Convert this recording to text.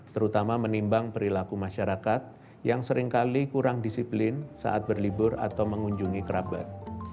terutama menimbang perilaku masyarakat yang seringkali kurang disiplin saat berlibur atau mengunjungi kerabat